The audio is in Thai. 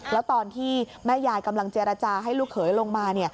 แล้วตอนที่แม่ยายกำลังเจรจาให้ลูกเขยลงมา